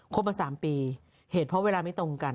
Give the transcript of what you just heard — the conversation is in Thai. มา๓ปีเหตุเพราะเวลาไม่ตรงกัน